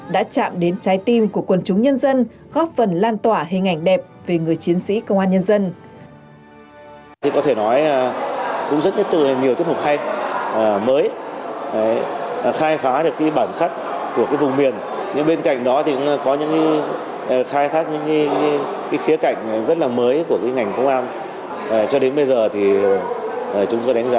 đã chạm đến trái tim của quần chúng nhân dân góp phần lan tỏa hình ảnh đẹp về người chiến sĩ công an nhân dân